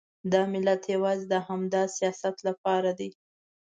دا ملت یوازې د همدا سیاست لپاره دی.